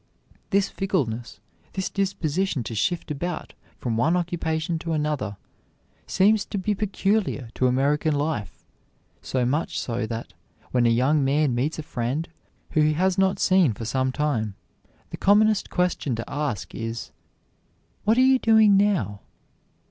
This fickleness, this disposition to shift about from one occupation to another, seems to be peculiar to American life, so much so that, when a young man meets a friend whom he has not seen for some time, the commonest question to ask is, "What are you doing now?"